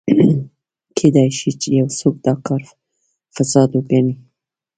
کېدای شي یو څوک دا کار فساد وګڼي.